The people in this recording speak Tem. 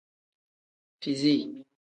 Fizi.